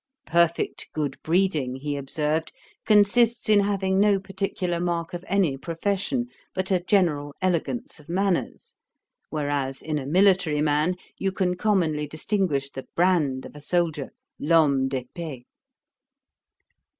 'Perfect good breeding, he observed, consists in having no particular mark of any profession, but a general elegance of manners; whereas, in a military man, you can commonly distinguish the brand of a soldier, l'homme d'épée.' Dr.